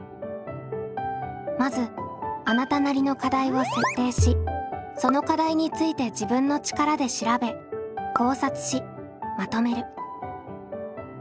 まずあなたなりの課題を設定しその課題について自分の力で調べ考察しまとめる。